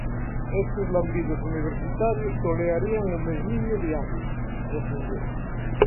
Estes lambidos universitarios tolearían ó mesmiño Diaño –refungou–.